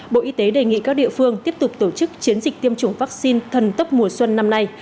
bộ y tế đề nghị các địa phương tiếp tục tổ chức chiến dịch tiêm chủng vaccine thần tốc mùa xuân năm nay